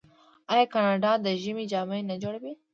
آیا کاناډا د ژمي جامې نه جوړوي؟